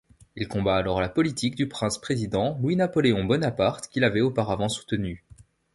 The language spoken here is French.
Il combat alors la politique du prince-Président Louis-Napoléon Bonaparte qu'il avait auparavant soutenu.